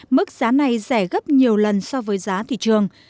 mức giá này rẻ gấp nhiều lần so với giá thị trường